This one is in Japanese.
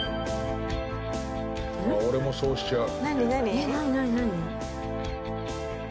ああ俺もそうしちゃう。